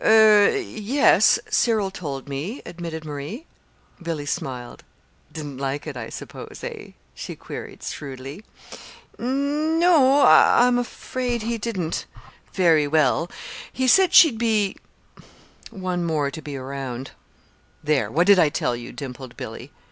"Er yes, Cyril told me," admitted Marie. Billy smiled. "Didn't like it, I suppose; eh?" she queried shrewdly. "N no, I'm afraid he didn't very well. He said she'd be one more to be around." "There, what did I tell you?" dimpled Billy.